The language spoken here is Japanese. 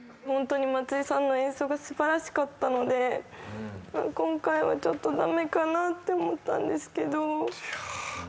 ホントに松井さんの演奏が素晴らしかったので今回ちょっと駄目かなって思ったんですけど。